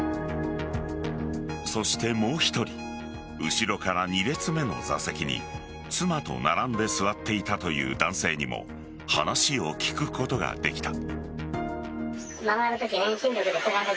そして、もう１人後ろから２列目の座席に妻と並んで座っていたという男性にも話を聞くことができた。